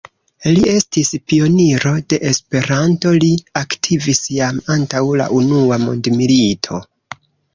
Li estis pioniro de Esperanto; li aktivis jam antaŭ la unua mondmilito.